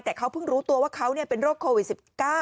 แต่เขาเพิ่งรู้ตัวว่าเขาเป็นโรคโควิด๑๙